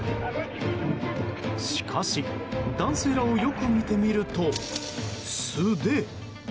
しかし男性らをよく見てみると、素手。